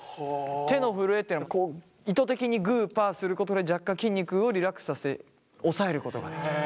手の震えっていうのは意図的にグーパーすることで若干筋肉をリラックスさせて抑えることができる。